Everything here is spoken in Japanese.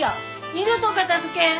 二度と片づけん！